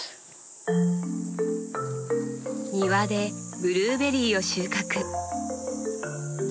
庭でブルーベリーを収穫。